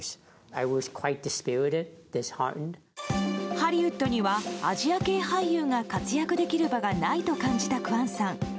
ハリウッドにはアジア系俳優が活躍できる場がないと感じたクァンさん。